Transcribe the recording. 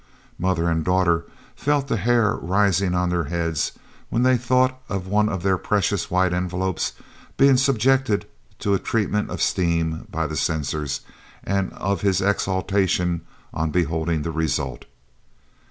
Mother and daughter felt the hair rising on their heads when they thought of one of their precious White Envelopes being subjected to a treatment of steam by the censor, and of his exultation on beholding the result.